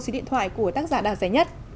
số điện thoại của tác giả đạt giá nhất